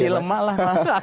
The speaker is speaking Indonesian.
jadi dilemah lah